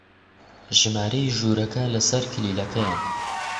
ژمارەی ژوورەکە لەسەر کلیلەکەیە.